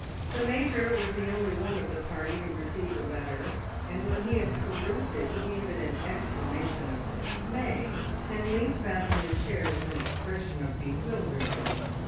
The Major was the only one of the party who received a letter, and when he had perused it he gave an exclamation of dismay, and leant back in his chair with an expression of bewilderment.